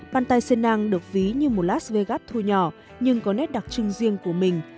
pantai senang được ví như một las vegas thua nhỏ nhưng có nét đặc trưng riêng của mình